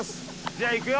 じゃあいくよ！